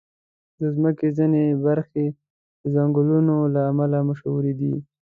د مځکې ځینې برخې د ځنګلونو له امله مشهوري دي.